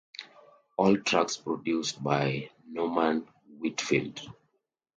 "All tracks produced by Norman Whitfield"